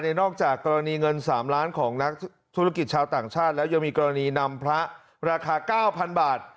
นอกจากกรณีเงิน๓ล้านของนักธุรกิจชาวต่างชาติแล้วยังมีกรณีนำพระราคา๙๐๐บาท